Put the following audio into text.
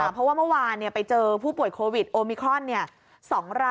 เพราะว่าเมื่อวานไปเจอผู้ป่วยโควิดโอมิครอน